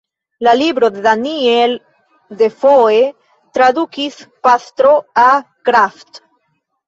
La libron de Daniel Defoe tradukis Pastro A. Krafft.